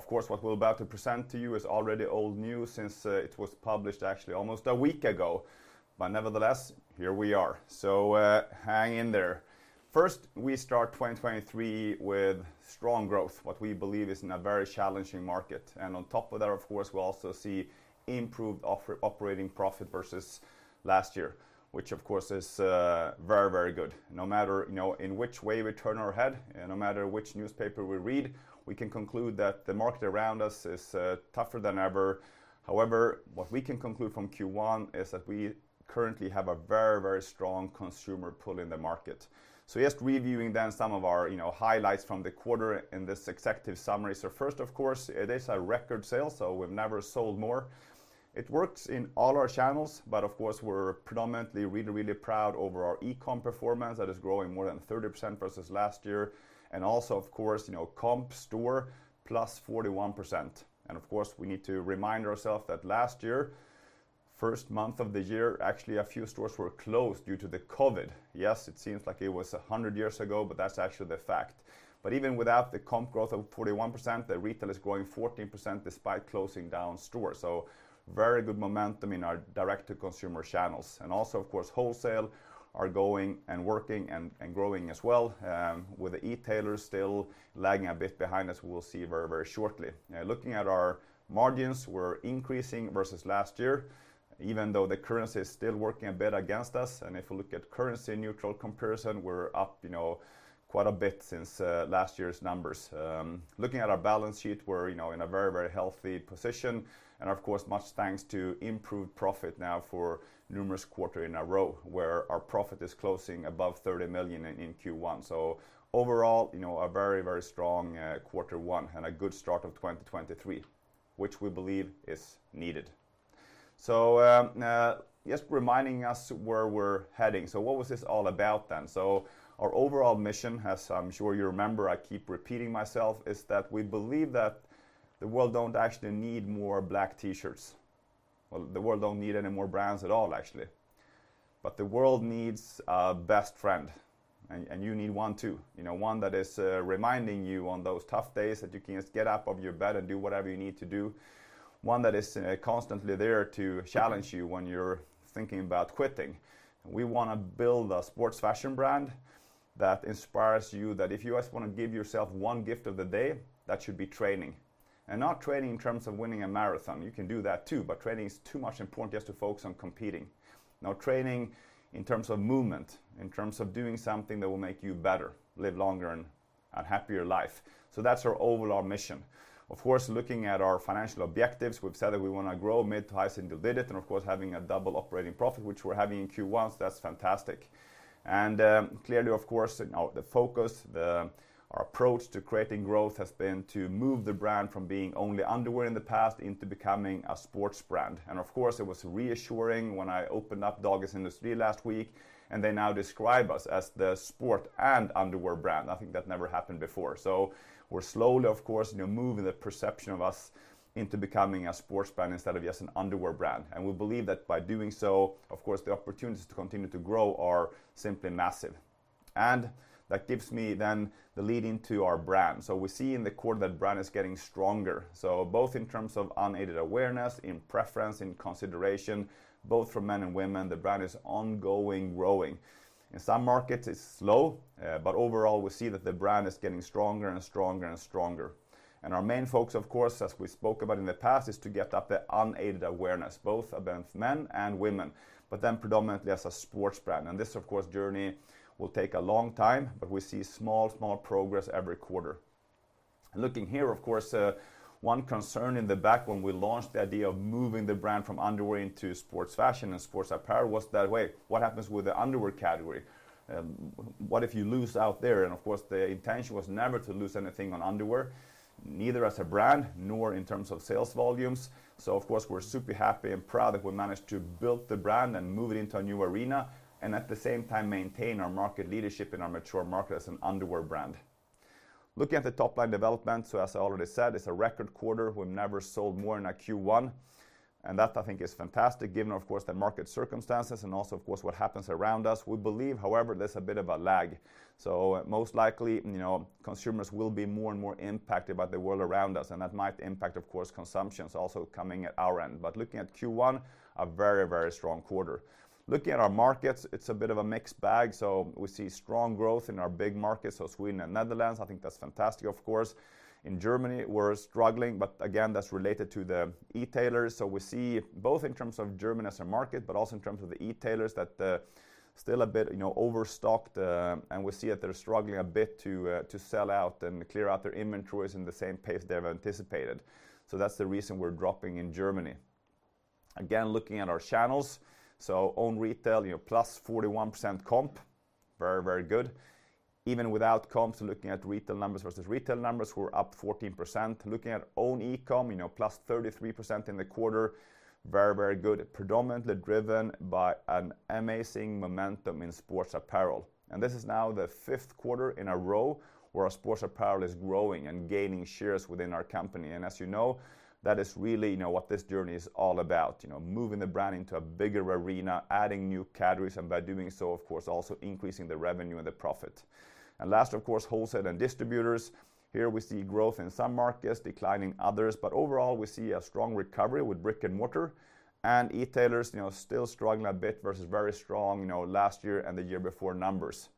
Of course, what we're about to present to you is already old news since it was published, actually, almost a week ago. But nevertheless, here we are. So hang in there. First, we start 2023 with strong growth, what we believe is in a very challenging market. And on top of that, of course, we also see improved operating profit versus last year, which, of course, is very, very good. No matter in which way we turn our head, no matter which newspaper we read, we can conclude that the market around us is tougher than ever. However, what we can conclude from Q1 is that we currently have a very, very strong consumer pull in the market. So just reviewing then some of our highlights from the quarter in this executive summary. So first, of course, it is a record sale, so we've never sold more. It works in all our channels, but of course, we're predominantly really, really proud over our e-com performance that is growing more than 30% versus last year. And also, of course, comp store plus 41%. And of course, we need to remind ourselves that last year, first month of the year, actually a few stores were closed due to the COVID. Yes, it seems like it was 100 years ago, but that's actually the fact. But even without the comp growth of 41%, the retail is growing 14% despite closing down stores. So very good momentum in our direct-to-consumer channels. And also, of course, wholesale are going and working and growing as well, with the e-tailers still lagging a bit behind as we'll see very, very shortly. Looking at our margins, we're increasing versus last year, even though the currency is still working a bit against us. And if we look at currency-neutral comparison, we're up quite a bit since last year's numbers. Looking at our balance sheet, we're in a very, very healthy position. And of course, much thanks to improved profit now for numerous quarters in a row, where our profit is closing above 30 million in Q1. So overall, a very, very strong quarter one and a good start of 2023, which we believe is needed. So just reminding us where we're heading. So what was this all about then? So our overall mission has, I'm sure you remember, I keep repeating myself, is that we believe that the world don't actually need more black t-shirts. Well, the world don't need any more brands at all, actually. But the world needs a best friend. And you need one too. One that is reminding you on those tough days that you can just get up of your bed and do whatever you need to do. One that is constantly there to challenge you when you're thinking about quitting. We want to build a sports fashion brand that inspires you that if you just want to give yourself one gift of the day, that should be training. And not training in terms of winning a marathon. You can do that too, but training is too much important just to focus on competing. Now, training in terms of movement, in terms of doing something that will make you better, live longer and a happier life. So that's our overall mission. Of course, looking at our financial objectives, we've said that we want to grow mid to high single digit and, of course, having a double operating profit, which we're having in Q1, so that's fantastic. And clearly, of course, the focus, our approach to creating growth has been to move the brand from being only underwear in the past into becoming a sports brand. And of course, it was reassuring when I opened up Dagens Industri last week, and they now describe us as the sport and underwear brand. I think that never happened before. So we're slowly, of course, moving the perception of us into becoming a sports brand instead of just an underwear brand. And we believe that by doing so, of course, the opportunities to continue to grow are simply massive. And that gives me then the lead into our brand. So we see in the quarter that brand is getting stronger. So both in terms of unaided awareness, in preference, in consideration, both for men and women, the brand is ongoing growing. In some markets, it's slow, but overall, we see that the brand is getting stronger and stronger and stronger. And our main focus, of course, as we spoke about in the past, is to get up the unaided awareness, both of both men and women, but then predominantly as a sports brand. And this, of course, journey will take a long time, but we see small, small progress every quarter. Looking here, of course, one concern in the back when we launched the idea of moving the brand from underwear into sports fashion and sports apparel was that, wait, what happens with the underwear category? What if you lose out there? And of course, the intention was never to lose anything on underwear, neither as a brand nor in terms of sales volumes. So of course, we're super happy and proud that we managed to build the brand and move it into a new arena and at the same time maintain our market leadership in our mature market as an underwear brand. Looking at the top line development, so as I already said, it's a record quarter. We've never sold more in a Q1. And that, I think, is fantastic given, of course, the market circumstances and also, of course, what happens around us. We believe, however, there's a bit of a lag. So most likely, consumers will be more and more impacted by the world around us. And that might impact, of course, consumptions also coming at our end. But looking at Q1, a very, very strong quarter. Looking at our markets, it's a bit of a mixed bag. So we see strong growth in our big markets, so Sweden and Netherlands. I think that's fantastic, of course. In Germany, we're struggling, but again, that's related to the e-tailers. So we see both in terms of Germany as a market, but also in terms of the e-tailers that still a bit overstocked. And we see that they're struggling a bit to sell out and clear out their inventories in the same pace they've anticipated. So that's the reason we're dropping in Germany. Again, looking at our channels, so own retail plus 41% comp, very, very good. Even without comps, looking at retail numbers versus retail numbers, we're up 14%. Looking at own e-com, plus 33% in the quarter, very, very good, predominantly driven by an amazing momentum in sports apparel. This is now the fifth quarter in a row where our sports apparel is growing and gaining shares within our company. As you know, that is really what this journey is all about, moving the brand into a bigger arena, adding new categories, and by doing so, of course, also increasing the revenue and the profit. Last, of course, wholesale and distributors. Here we see growth in some markets, declining others. Overall, we see a strong recovery with brick and mortar. E-tailers still struggling a bit versus very strong last year and the year before numbers.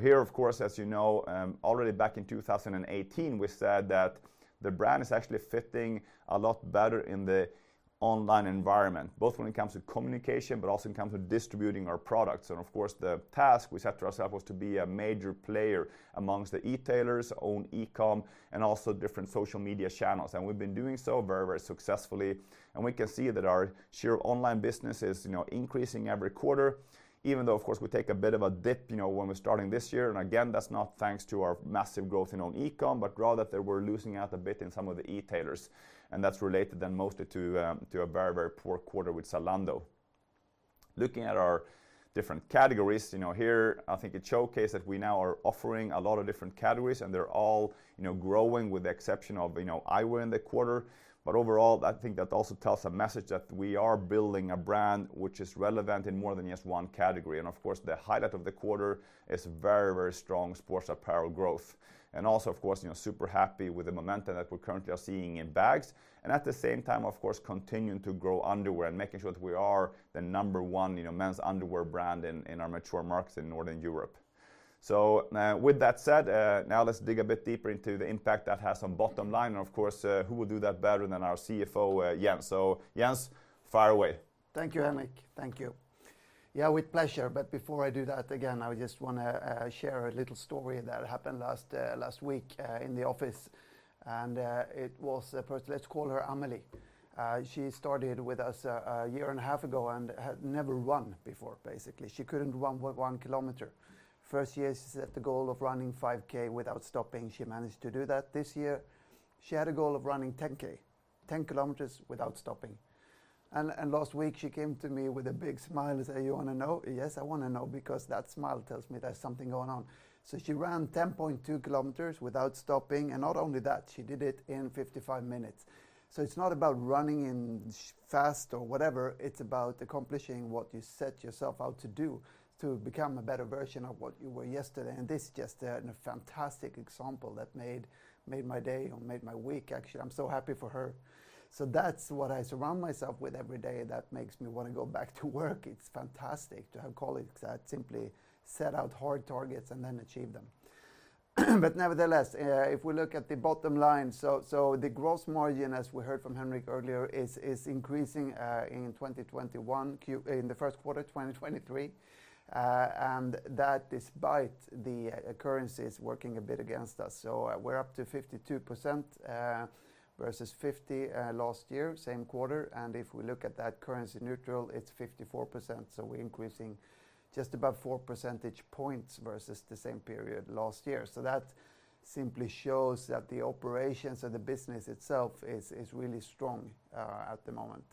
Here, of course, as you know, already back in 2018, we said that the brand is actually fitting a lot better in the online environment, both when it comes to communication, but also in terms of distributing our products. And of course, the task we set to ourselves was to be a major player amongst the e-tailers, own e-com, and also different social media channels. And we've been doing so very, very successfully. And we can see that our share of online business is increasing every quarter, even though, of course, we take a bit of a dip when we're starting this year. And again, that's not thanks to our massive growth in own e-com, but rather that we're losing out a bit in some of the e-tailers. And that's related then mostly to a very, very poor quarter with Zalando. Looking at our different categories, here, I think it showcased that we now are offering a lot of different categories, and they're all growing with the exception of eyewear in the quarter. But overall, I think that also tells a message that we are building a brand which is relevant in more than just one category. And of course, the highlight of the quarter is very, very strong sports apparel growth. And also, of course, super happy with the momentum that we currently are seeing in bags. And at the same time, of course, continuing to grow underwear and making sure that we are the number one men's underwear brand in our mature markets in Northern Europe. So with that said, now let's dig a bit deeper into the impact that has on bottom line. And of course, who will do that better than our CFO, Jens. So Jens, fire away. Thank you, Henrik. Thank you. Yeah, with pleasure, but before I do that, again, I just want to share a little story that happened last week in the office, and it was a person, let's call her Amelie. She started with us a year and a half ago and had never run before, basically. She couldn't run one kilometer. First year, she set the goal of running 5K without stopping. She managed to do that. This year, she had a goal of running 10K, 10 kilometers without stopping, and last week, she came to me with a big smile and said, "You want to know?" "Yes, I want to know because that smile tells me there's something going on." So she ran 10.2 kilometers without stopping, and not only that, she did it in 55 minutes, so it's not about running fast or whatever. It's about accomplishing what you set yourself out to do to become a better version of what you were yesterday. And this is just a fantastic example that made my day or made my week, actually. I'm so happy for her. So that's what I surround myself with every day that makes me want to go back to work. It's fantastic to have colleagues that simply set out hard targets and then achieve them. But nevertheless, if we look at the bottom line, so the gross margin, as we heard from Henrik earlier, is increasing in 2021, in the first quarter of 2023. And that, despite the currencies, is working a bit against us. So we're up to 52% versus 50% last year, same quarter. And if we look at that currency neutral, it's 54%. So we're increasing just about four percentage points versus the same period last year. That simply shows that the operations of the business itself is really strong at the moment.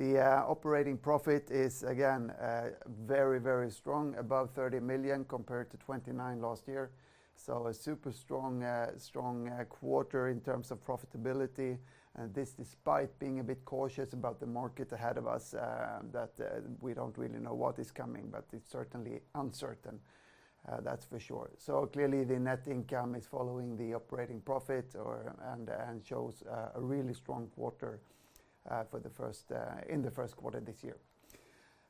The operating profit is, again, very, very strong, above 30 million compared to 29 million last year. A super strong quarter in terms of profitability. This despite being a bit cautious about the market ahead of us, that we don't really know what is coming, but it's certainly uncertain. That's for sure. Clearly, the net income is following the operating profit and shows a really strong quarter in the first quarter of this year.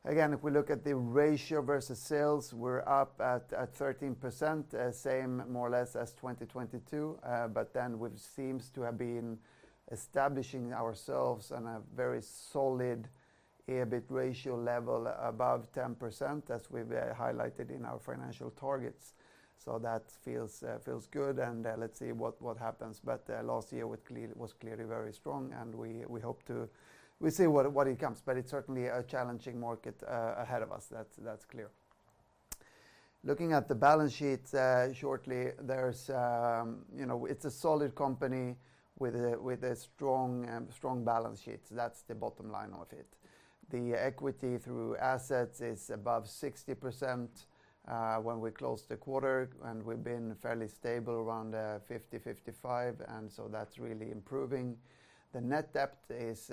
Again, if we look at the ratio versus sales, we're up at 13%, same more or less as 2022. Then we've seemed to have been establishing ourselves on a very solid EBIT ratio level above 10%, as we've highlighted in our financial targets. That feels good. Let's see what happens. But last year was clearly very strong. And we hope to see what it comes. But it's certainly a challenging market ahead of us. That's clear. Looking at the balance sheet shortly, it's a solid company with a strong balance sheet. So that's the bottom line of it. The equity-to-assets ratio is above 60% when we closed the quarter. And we've been fairly stable around 50-55. And so that's really improving. The net debt is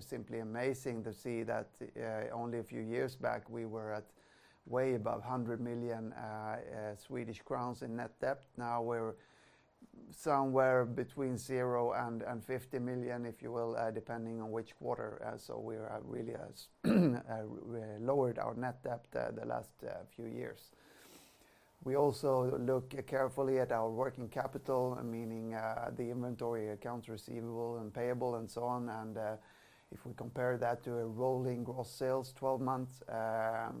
simply amazing to see that only a few years back, we were at way above 100 million Swedish crowns in net debt. Now we're somewhere between zero and 50 million, if you will, depending on which quarter. So we really have lowered our net debt the last few years. We also look carefully at our working capital, meaning the inventory, accounts receivable, and payable, and so on. And if we compare that to a rolling gross sales 12 months,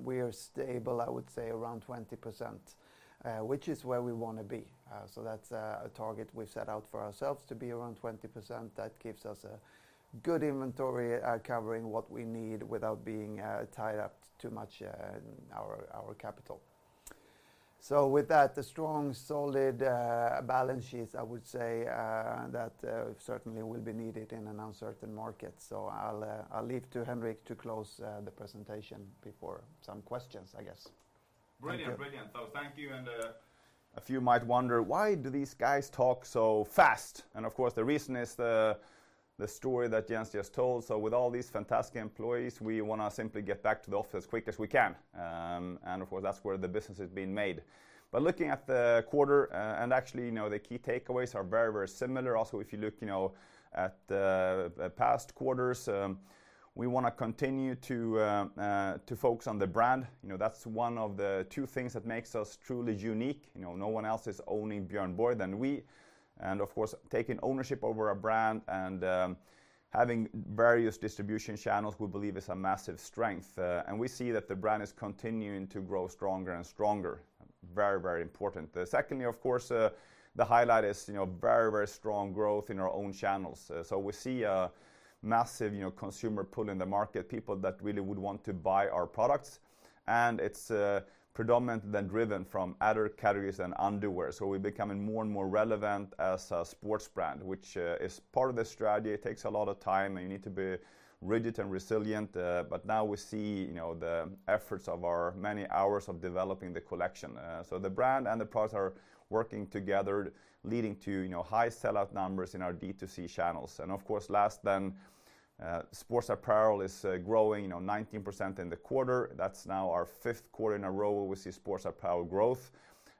we are stable, I would say, around 20%, which is where we want to be. So that's a target we've set out for ourselves to be around 20%. That gives us a good inventory covering what we need without being tied up too much in our capital. So with that, the strong, solid balance sheets, I would say, that certainly will be needed in an uncertain market. So I'll leave to Henrik to close the presentation before some questions, I guess. Brilliant, brilliant, so thank you, and a few might wonder why do these guys talk so fast. And of course, the reason is the story that Jens just told, so with all these fantastic employees, we want to simply get back to the office as quick as we can. And of course, that's where the business is being made. But looking at the quarter, and actually, the key takeaways are very, very similar. Also, if you look at past quarters, we want to continue to focus on the brand. That's one of the two things that makes us truly unique. No one else is owning Björn Borg than we. And of course, taking ownership over a brand and having various distribution channels, we believe, is a massive strength. And we see that the brand is continuing to grow stronger and stronger. Very, very important. Secondly, of course, the highlight is very, very strong growth in our own channels, so we see a massive consumer pull in the market, people that really would want to buy our products, and it's predominantly then driven from other categories than underwear, so we're becoming more and more relevant as a sports brand, which is part of the strategy. It takes a lot of time, and you need to be rigid and resilient, but now we see the efforts of our many hours of developing the collection, so the brand and the product are working together, leading to high sellout numbers in our D2C channels, and of course, last then, sports apparel is growing 19% in the quarter. That's now our fifth quarter in a row we see sports apparel growth.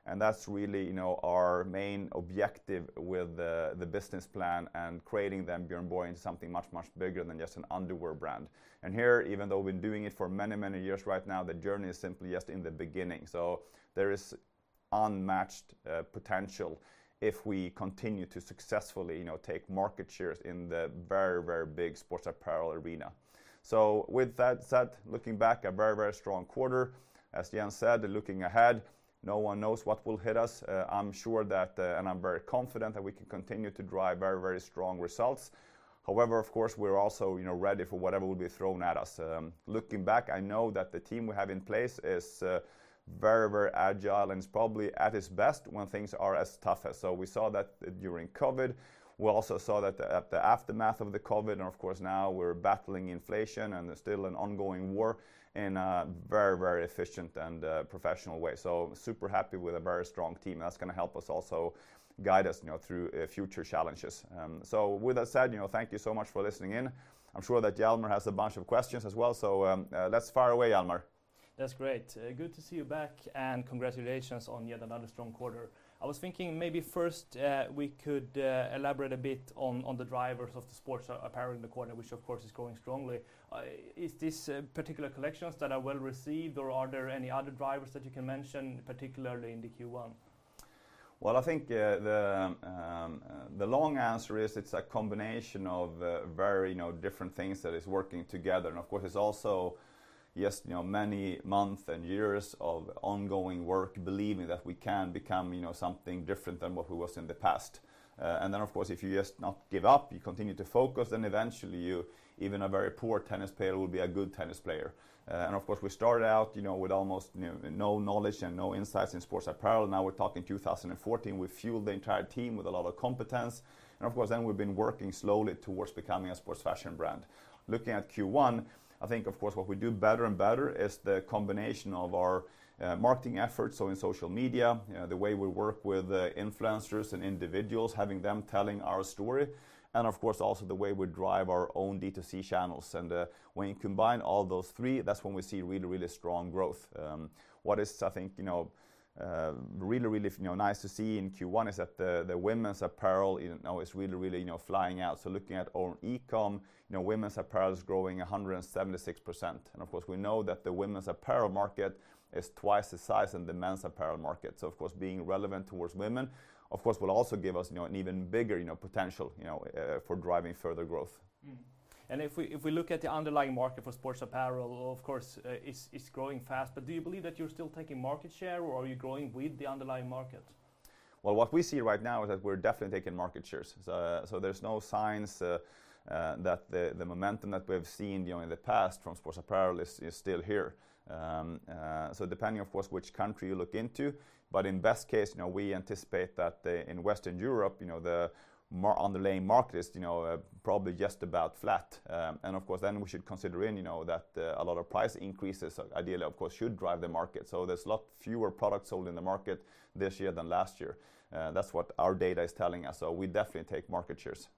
And that's really our main objective with the business plan and creating then Björn Borg into something much, much bigger than just an underwear brand. And here, even though we've been doing it for many, many years right now, the journey is simply just in the beginning. So there is unmatched potential if we continue to successfully take market shares in the very, very big sports apparel arena. So with that said, looking back, a very, very strong quarter. As Jens said, looking ahead, no one knows what will hit us. I'm sure that, and I'm very confident that we can continue to drive very, very strong results. However, of course, we're also ready for whatever will be thrown at us. Looking back, I know that the team we have in place is very, very agile and is probably at its best when things are as tough as. So we saw that during COVID. We also saw that at the aftermath of the COVID. And of course, now we're battling inflation and still an ongoing war in a very, very efficient and professional way. So super happy with a very strong team. That's going to help us also guide us through future challenges. So with that said, thank you so much for listening in. I'm sure that Hjalmar has a bunch of questions as well. So let's fire away, Hjalmar. That's great. Good to see you back, and congratulations on yet another strong quarter. I was thinking maybe first we could elaborate a bit on the drivers of the sports apparel in the quarter, which of course is growing strongly. Is this particular collection that are well received or are there any other drivers that you can mention, particularly in the Q1? I think the long answer is it's a combination of very different things that is working together. Of course, it's also just many months and years of ongoing work, believing that we can become something different than what we was in the past. Of course, if you just not give up, you continue to focus, then eventually you, even a very poor tennis player, will be a good tennis player. Of course, we started out with almost no knowledge and no insights in sports apparel. Now we're talking 2014. We fueled the entire team with a lot of competence. Of course, then we've been working slowly towards becoming a sports fashion brand. Looking at Q1, I think of course what we do better and better is the combination of our marketing efforts. So in social media, the way we work with influencers and individuals, having them telling our story. And of course, also the way we drive our own D2C channels. And when you combine all those three, that's when we see really, really strong growth. What is, I think, really, really nice to see in Q1 is that the women's apparel is really, really flying out. So looking at our e-com, women's apparel is growing 176%. And of course, we know that the women's apparel market is twice the size than the men's apparel market. So of course, being relevant towards women, of course, will also give us an even bigger potential for driving further growth. If we look at the underlying market for sports apparel, of course, it's growing fast. Do you believe that you're still taking market share or are you growing with the underlying market? What we see right now is that we're definitely taking market shares. So there's no signs that the momentum that we've seen in the past from sports apparel is still here. So depending, of course, which country you look into. But in best case, we anticipate that in Western Europe, the underlying market is probably just about flat. And of course, then we should consider in that a lot of price increases, ideally, of course, should drive the market. So there's a lot fewer products sold in the market this year than last year. That's what our data is telling us. So we definitely take market shares.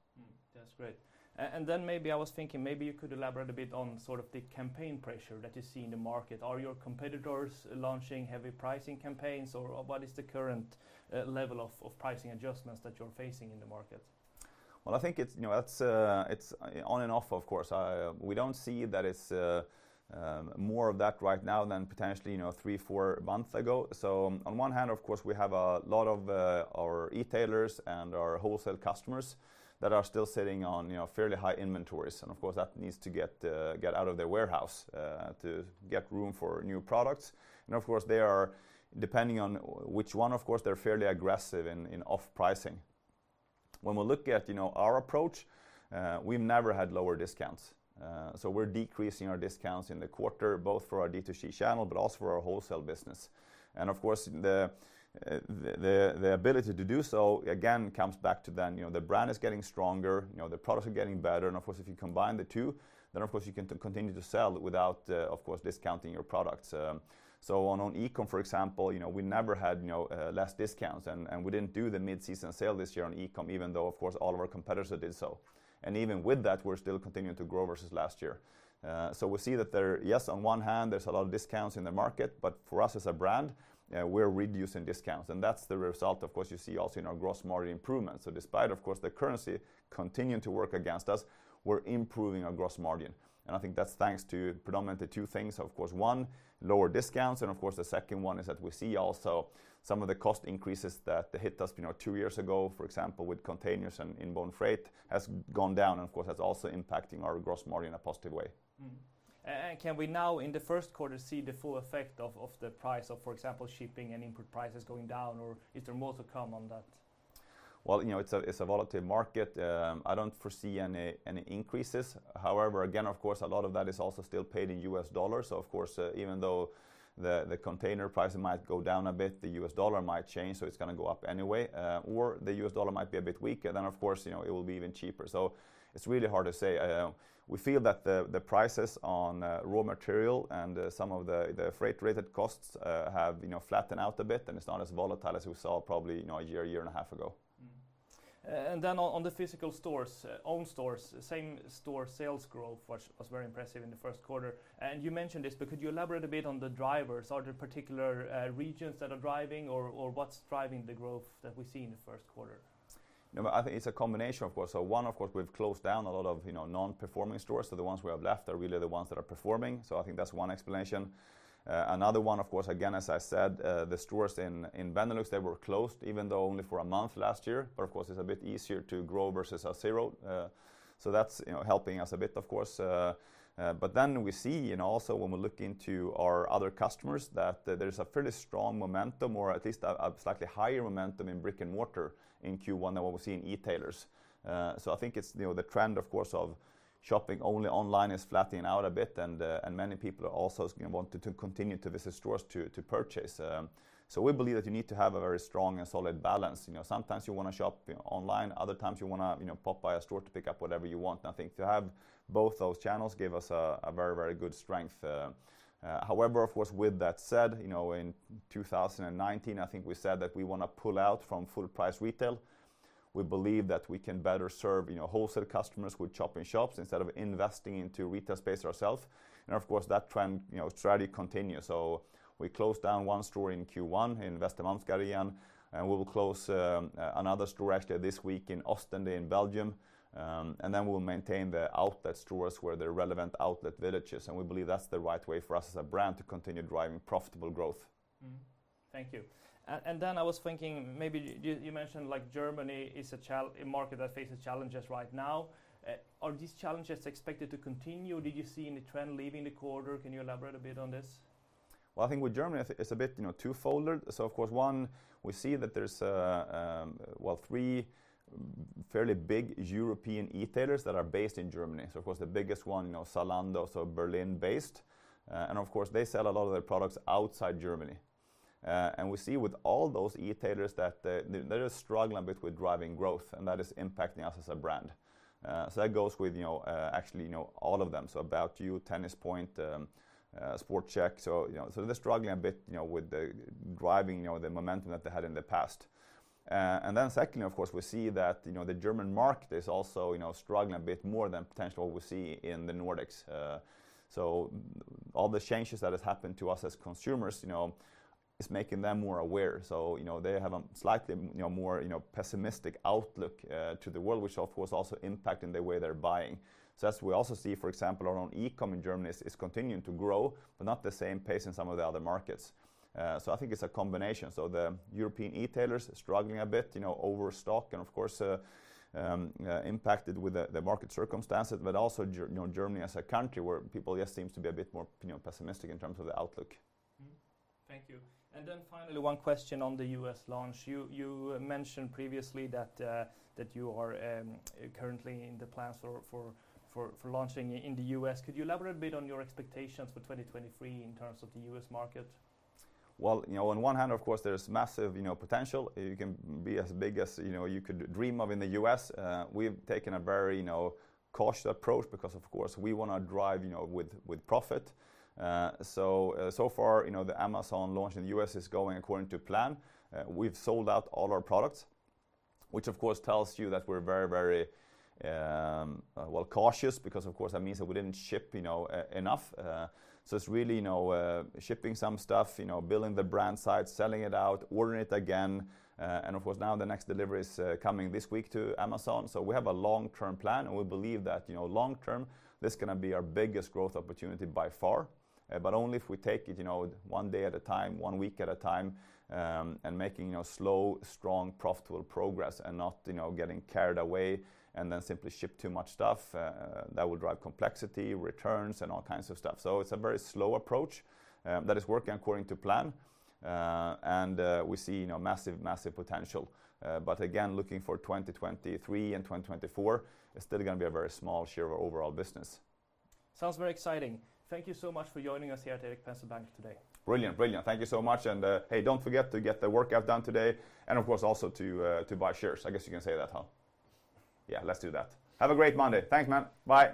That's great. And then maybe I was thinking, maybe you could elaborate a bit on sort of the campaign pressure that you see in the market. Are your competitors launching heavy pricing campaigns or what is the current level of pricing adjustments that you're facing in the market? I think it's on and off, of course. We don't see that it's more of that right now than potentially three, four months ago. So on one hand, of course, we have a lot of our retailers and our wholesale customers that are still sitting on fairly high inventories. And of course, that needs to get out of their warehouse to get room for new products. And of course, they are, depending on which one, of course, they're fairly aggressive in off-pricing. When we look at our approach, we've never had lower discounts. So we're decreasing our discounts in the quarter, both for our D2C channel, but also for our wholesale business. And of course, the ability to do so, again, comes back to then the brand is getting stronger, the products are getting better. Of course, if you combine the two, then of course, you can continue to sell without, of course, discounting your products. So on e-com, for example, we never had less discounts. And we didn't do the mid-season sale this year on e-com, even though, of course, all of our competitors did so. And even with that, we're still continuing to grow versus last year. So we see that there, yes, on one hand, there's a lot of discounts in the market, but for us as a brand, we're reducing discounts. And that's the result, of course, you see also in our gross margin improvements. So despite, of course, the currency continuing to work against us, we're improving our gross margin. And I think that's thanks to predominantly two things. Of course, one, lower discounts. Of course, the second one is that we see also some of the cost increases that hit us two years ago, for example, with containers and inbound freight has gone down. Of course, that's also impacting our gross margin in a positive way. Can we now, in the first quarter, see the full effect of the price of, for example, shipping and input prices going down, or is there more to come on that? It's a volatile market. I don't foresee any increases. However, again, of course, a lot of that is also still paid in US dollars. So of course, even though the container price might go down a bit, the US dollar might change. So it's going to go up anyway. Or the US dollar might be a bit weaker. Then, of course, it will be even cheaper. So it's really hard to say. We feel that the prices on raw material and some of the freight-related costs have flattened out a bit, and it's not as volatile as we saw probably a year, year and a half ago. Then on the physical stores, own stores, same store sales growth was very impressive in the first quarter. You mentioned this, but could you elaborate a bit on the drivers? Are there particular regions that are driving or what's driving the growth that we see in the first quarter? No, I think it's a combination, of course. So one, of course, we've closed down a lot of non-performing stores. So the ones we have left are really the ones that are performing. So I think that's one explanation. Another one, of course, again, as I said, the stores in Benelux, they were closed even though only for a month last year. But of course, it's a bit easier to grow versus a zero. So that's helping us a bit, of course. But then we see also when we look into our other customers that there is a fairly strong momentum or at least a slightly higher momentum in brick and mortar in Q1 than what we see in retailers. So I think it's the trend, of course, of shopping only online is flattening out a bit. And many people are also wanting to continue to visit stores to purchase. We believe that you need to have a very strong and solid balance. Sometimes you want to shop online. Other times you want to pop by a store to pick up whatever you want. I think to have both those channels gave us a very, very good strength. However, of course, with that said, in 2019, I think we said that we want to pull out from full-price retail. We believe that we can better serve wholesale customers with shop-in-shops instead of investing into retail space ourselves. Of course, that trend strategy continues. We closed down one store in Q1 in Västermalmsgallerian. We will close another store actually this week in Ostend in Belgium. Then we'll maintain the outlet stores where the relevant outlet villages. We believe that's the right way for us as a brand to continue driving profitable growth. Thank you. And then I was thinking maybe you mentioned like Germany is a market that faces challenges right now. Are these challenges expected to continue? Did you see any trend leaving the quarter? Can you elaborate a bit on this? I think with Germany, it's a bit twofold. Of course, one, we see that there's, well, three fairly big European retailers that are based in Germany. The biggest one, Zalando, so Berlin-based. They sell a lot of their products outside Germany. We see with all those retailers that they're just struggling a bit with driving growth. That is impacting us as a brand. That goes with actually all of them. About You, Tennis-Point, SportScheck. They're struggling a bit with driving the momentum that they had in the past. Then secondly, of course, we see that the German market is also struggling a bit more than potentially what we see in the Nordics. All the changes that have happened to us as consumers is making them more aware. They have a slightly more pessimistic outlook to the world, which of course also impacting the way they're buying. That's what we also see, for example, our own e-com in Germany is continuing to grow, but not the same pace in some of the other markets. I think it's a combination. The European retailers are struggling a bit overstock and of course impacted with the market circumstances, but also Germany as a country where people just seem to be a bit more pessimistic in terms of the outlook. Thank you. And then finally, one question on the U.S. launch. You mentioned previously that you are currently in the plans for launching in the U.S. Could you elaborate a bit on your expectations for 2023 in terms of the U.S. market? On one hand, of course, there's massive potential. You can be as big as you could dream of in the U.S. We've taken a very cautious approach because, of course, we want to drive with profit. So far, the Amazon launch in the U.S. is going according to plan. We've sold out all our products, which of course tells you that we're very, very well cautious because, of course, that means that we didn't ship enough. So it's really shipping some stuff, building the brand site, selling it out, ordering it again. And of course, now the next delivery is coming this week to Amazon. So we have a long-term plan. And we believe that long-term, this is going to be our biggest growth opportunity by far. But only if we take it one day at a time, one week at a time, and making slow, strong, profitable progress and not getting carried away and then simply ship too much stuff. That will drive complexity, returns, and all kinds of stuff. So it's a very slow approach that is working according to plan. And we see massive, massive potential. But again, looking for 2023 and 2024, it's still going to be a very small share of our overall business. Sounds very exciting. Thank you so much for joining us here at Erik Penser Bank today. Brilliant, brilliant. Thank you so much. And hey, don't forget to get the workout done today. And of course, also to buy shares. I guess you can say that, huh? Yeah, let's do that. Have a great Monday. Thanks, man. Bye.